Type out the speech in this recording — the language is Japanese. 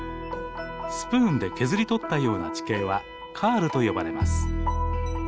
スプーンで削り取ったような地形はカールと呼ばれます。